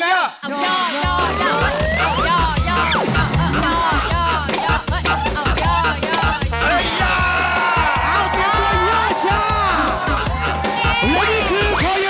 และนี่คือ